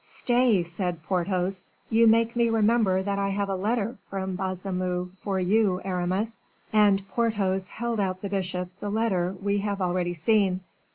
"Stay!" said Porthos; "you make me remember that I have a letter from Baisemeaux for you, Aramis." And Porthos held out the bishop the letter we have already seen.